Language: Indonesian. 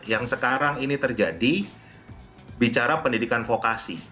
yang sekarang ini terjadi bicara pendidikan vokasi